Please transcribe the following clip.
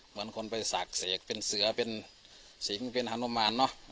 เหมือนคนไปศักดิ์เสกเป็นเสือเป็นสิงเป็นฮานุมานเนอะ